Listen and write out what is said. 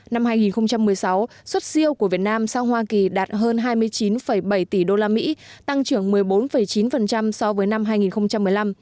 năm hai nghìn một mươi sáu xuất siêu của việt nam sang hoa kỳ đạt hơn hai mươi chín bảy tỷ usd tăng trưởng một mươi bốn chín so với năm hai nghìn một mươi năm